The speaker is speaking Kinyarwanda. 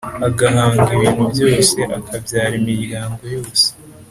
agahanga ibintu byose, akabyara imiryango yose!